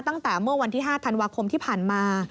ตั้งแต่เมื่อวันที่๕ธันวาคมที่ผ่านมา